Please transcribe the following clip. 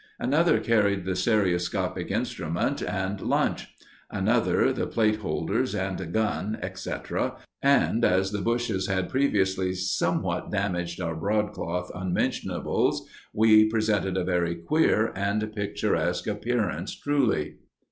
Another carried the stereoscopic instrument and the lunch; another, the plate holders and gun, etcetera; and as the bushes had previously somewhat damaged our broadcloth unmentionables, we presented a very queer and picturesque appearance truly.